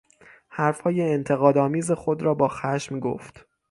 حرفهای انتقاد آمیز خود را با خشم گفت.